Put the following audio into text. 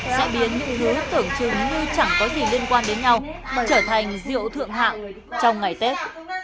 sẽ biến những đứa tưởng chừng như chẳng có gì liên quan đến nhau trở thành rượu thượng hạng trong ngày tết